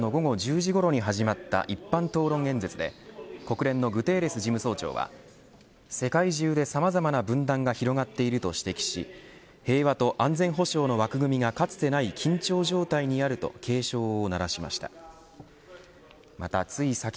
日本時間の午後１０時ごろに始まった一般討論演説で国連のグテーレス事務総長は世界中でさまざまな分断が広がっていると指摘し平和と安全保障の枠組みがかつてない緊張状態にあると警鐘を鳴らしました。